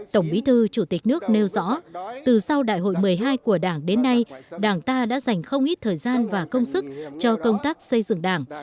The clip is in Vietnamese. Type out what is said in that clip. tổng bí thư chủ tịch nước nêu rõ từ sau đại hội một mươi hai của đảng đến nay đảng ta đã dành không ít thời gian và công sức cho công tác xây dựng đảng